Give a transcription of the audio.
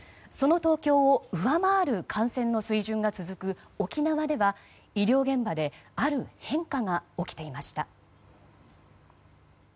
その東京を上回る感染の水準が続く沖縄では医療現場である変化が起きていました。